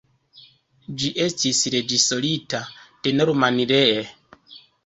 Ĝi estis reĝisorita de Norman Lee.